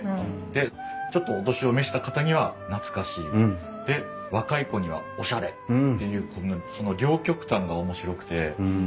でちょっとお年を召した方には懐かしいで若い子にはおしゃれっていうその両極端が面白くて。